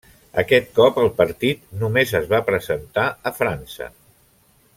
Aquest cop el partit només es va presentar a França.